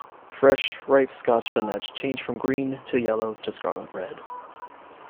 Fresh, ripe scotch bonnets change from green to yellow to scarlet red.